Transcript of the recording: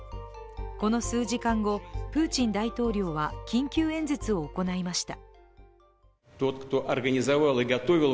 この数時間後、プーチン大統領は緊急演説を行いました。